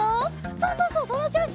そうそうそうそのちょうし！